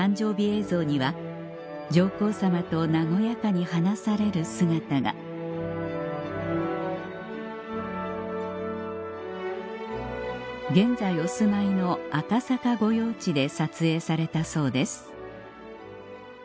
映像には上皇さまと和やかに話される姿が現在お住まいの赤坂御用地で撮影されたそうです